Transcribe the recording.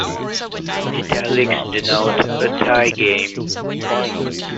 Italics denote a tie game.